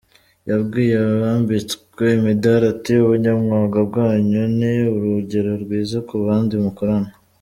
Yabwiye abambitswe imidari ati"Ubunyamwuga bwanyu ni urugero rwiza ku bandi mukorana.